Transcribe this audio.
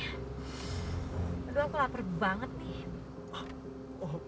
aduh aku lapar banget nih